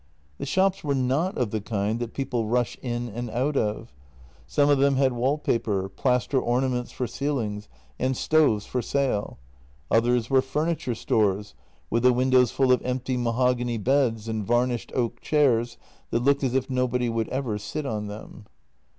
The shops were not of the kind that people rush in and out of. Some of them had wallpaper, plaster ornaments for ceilings, and stoves for sale; others were furniture stores, with the windows full of empty mahogany beds and varnished oak chairs that looked as if nobody would ever sit on them.